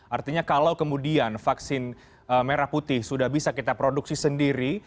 artinya kalau kemudian vaksin merah putih sudah bisa kita produksi sendiri